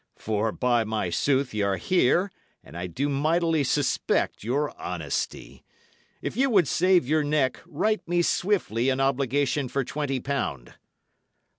"For, by my sooth, y' are here and I do mightily suspect your honesty. If ye would save your neck, write me swiftly an obligation for twenty pound."